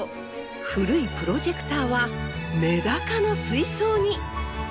古いプロジェクターはメダカの水槽に。